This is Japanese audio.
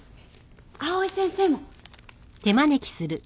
藍井先生も。